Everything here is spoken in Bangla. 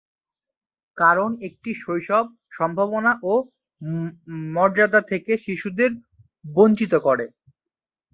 কারণ এটি শৈশব, সম্ভাবনা ও মর্যাদা থেকে শিশুদের বঞ্চিত করে।